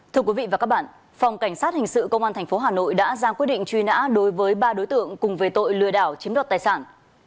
thưa quý vị và các bạn phòng cảnh sát hình sự công an tp hà nội đã ra quyết định truy nã đối với ba đối tượng cùng về tội lừa đảo chiếm đoạt tài sản